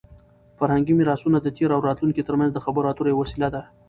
فرهنګي میراثونه د تېر او راتلونکي ترمنځ د خبرو اترو یوه وسیله ده.